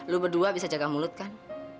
lu berdua bisa jaga mulut kan